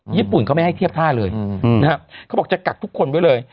ญี่ปุ่นเขาไม่ให้เทียบท่าเลยนะครับเขาบอกจะกัดทุกคนไว้เลย